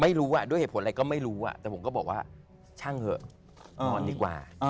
ไม่รู้ด้วยเหตุผลอะไรก็ไม่รู้แต่ผมก็บอกว่าช่างเถอะนอนดีกว่า